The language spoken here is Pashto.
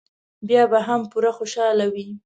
بیا به هم پوره خوشاله وي.